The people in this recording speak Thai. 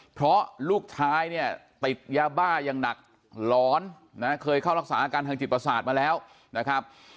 เพราะลูกชายเนี่ยติดยาบ้าอย่างหนักหลอนนะเคยเข้ารักษาอาการทางจิตประสาทมาแล้วนะครับ